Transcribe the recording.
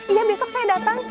iya besok saya datang